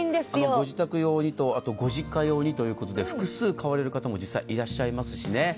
ご自宅用にとご実家用にということで複数買われる方も実際いらっしゃいますしね。